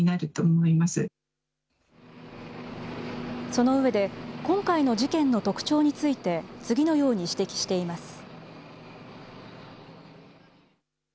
その上で、今回の事件の特徴について、次のように指摘しています。